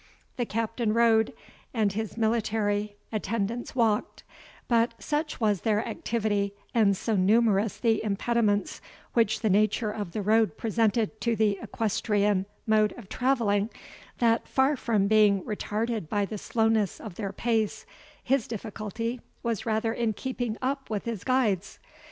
The Captain rode, and his military attendants walked; but such was their activity, and so numerous the impediments which the nature of the road presented to the equestrian mode of travelling, that far from being retarded by the slowness of their pace, his difficulty was rather in keeping up with his guides.